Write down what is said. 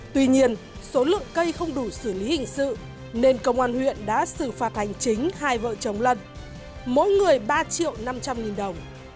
tuy nhiên số lượng cây không đủ xử lý hình sự nên công an huyện đã xử phạt hành chính hai vợ chồng lân mỗi người ba triệu năm trăm linh nghìn đồng